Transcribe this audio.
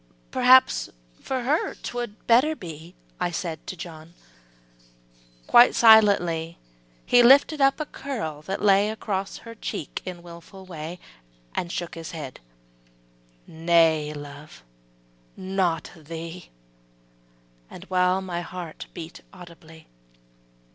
``Perhaps for her 'twould better be,'' I said to John, Quite silently He lifted up a curl that lay Acorss her cheek in willful way, And shook his head, ``Nay, love, not thee,'' The while my heart beat audibly.